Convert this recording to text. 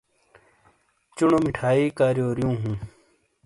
چونو مٹھائی کاریو ریوں ہوں۔